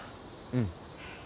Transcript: うん。